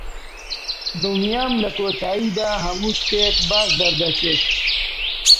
دڵنیام لە کۆتاییدا هەموو شتێک باش دەردەچێت.